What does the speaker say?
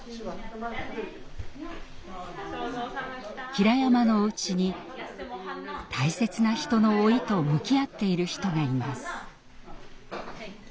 ひらやまのお家に大切な人の老いと向き合っている人がいます。